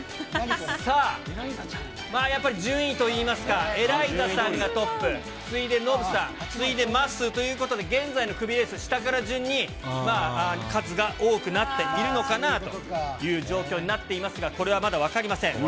さあ、やっぱり順位といいますか、エライザさんがトップ、次いでノブさん、次いでまっすーということで、現在のクビレース、下から順に数が多くなっているのかなという状況になっていますが、分からない。